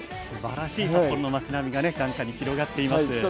素晴らしい札幌の町並みが眼下に広がっています。